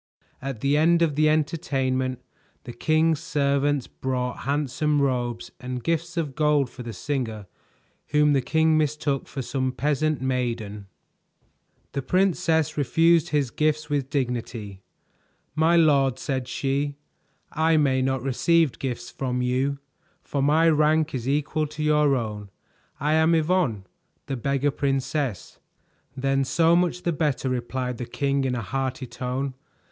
At the end of the entertainment, the king's servants brought handsome robes and gifts of gold for the singer whom the king mistook for some peasant maiden. The princess refused his gifts with dignity. "My lord," said she, "I may not receive gifts from you, for my rank is equal to your own. I am Yvonne, the Beggar Princess." "Then so much the better," replied the king in a hearty tone.